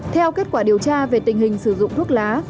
theo kết quả điều tra về tình hình sử dụng thuốc lá